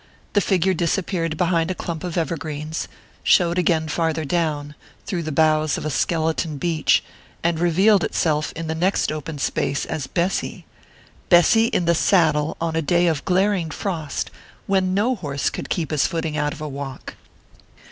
The figure disappeared behind a clump of evergreens showed again farther down, through the boughs of a skeleton beech and revealed itself in the next open space as Bessy Bessy in the saddle on a day of glaring frost, when no horse could keep his footing out of a walk!